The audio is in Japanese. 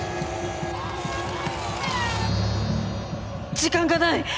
時間がない！